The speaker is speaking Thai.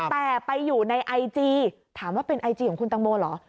แต่ไปอยู่ในไอจีถามว่าเป็นไอจีของคุณตังโมเหรอ